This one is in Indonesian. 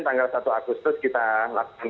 tanggal satu agustus kita lakukan